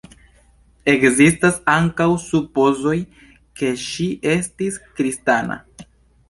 Ekzistas ankaŭ supozoj, ke ŝi estis kristana.